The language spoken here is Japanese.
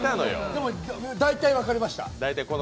でも大体分かりました。